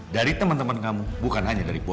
dari temen temen kamu bukan hanya dari boy